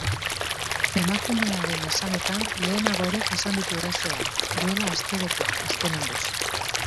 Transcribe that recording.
Emakumearen esanetan, lehenago ere jasan ditu erasoak, duela astebete azkenengoz.